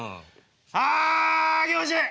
あ気持ちいい！